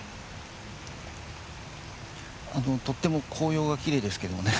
とっても紅葉がきれいですけどね。